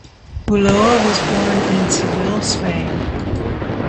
Ulloa was born in Seville, Spain.